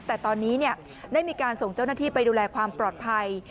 แต่ตอนนี้ได้มีการส่งเจ้าหน้าที่ไปดูแลความปลอดภัย